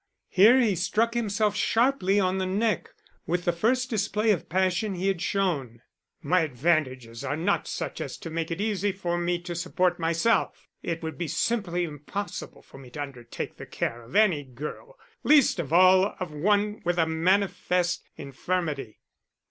Here he struck himself sharply on the neck, with the first display of passion he had shown. "My advantages are not such as to make it easy for me to support myself. It would be simply impossible for me to undertake the care of any girl, least of all of one with a manifest infirmity."